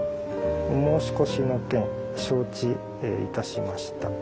「お申し越しの件承知いたしました」。